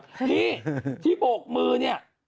นี่ที่โบกมือเนี่ย